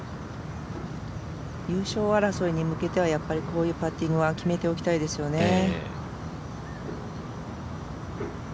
優勝争いに向けてはこういうパッティングは決めておきたいですよね。